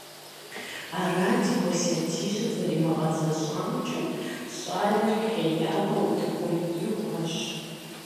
Арати уэсятищыр зэримыгъэзэщӀамкӏэ щӀалэр ХеяпӀэ утыкӀум ихуащ.